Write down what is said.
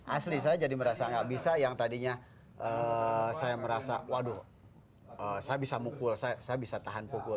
asli saya jadi merasa nggak bisa yang tadinya saya merasa waduh saya bisa mukul saya bisa tahan pukul